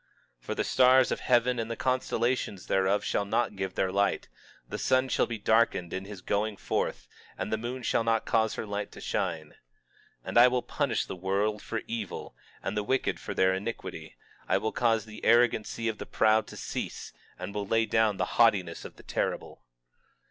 23:10 For the stars of heaven and the constellations thereof shall not give their light; the sun shall be darkened in his going forth, and the moon shall not cause her light to shine. 23:11 And I will punish the world for evil, and the wicked for their iniquity; I will cause the arrogancy of the proud to cease, and will lay down the haughtiness of the terrible.